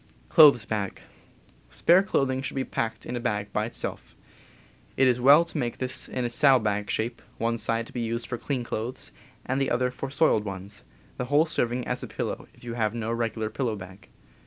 Spare clothing should be packed in a bag by itself. It is well to make this in saddle bag shape, one side n th "R ^^^^ used for clean clothes and the other for soiled ones, the whole serving as a pillow if you have no regular pillow bag.